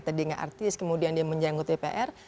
tadi nggak artis kemudian dia menjenguk tpr